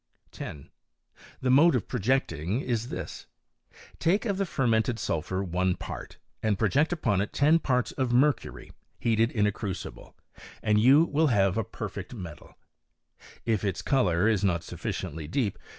t: . IQ. The mode of projecj^ijig is this : Take of tbe fer .mented sulphur one part, and project it upon ten. parts of mtilreury, heated in a crucible, and you will have a 4terlbct. metal; if its colour is not sufficiently deep